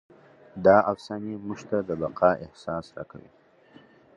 دا افسانې موږ ته د بقا احساس راکوي.